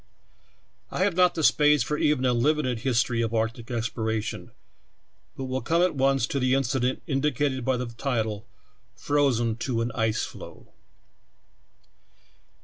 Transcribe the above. I have not the space for even a limited history of arctic exploration, but will come at once to the incident indicated by the title, "Frozen to an Ice Floe."